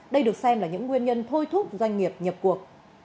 đây được xem là những nguyên nhân thôi thúc doanh nghiệp nhập cuộc